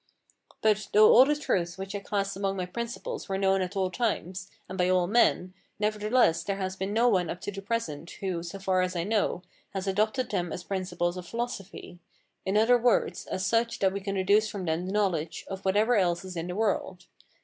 But, though all the truths which I class among my principles were known at all times, and by all men, nevertheless, there has been no one up to the present, who, so far as I know, has adopted them as principles of philosophy: in other words, as such that we can deduce from them the knowledge of whatever else is in the world.